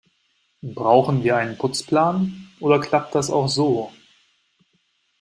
Brauchen wir einen Putzplan, oder klappt das auch so?